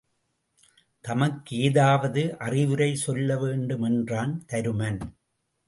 தமக்கு ஏதாவது அறிவுரை சொல்ல வேண்டுமென்றான் தருமன்.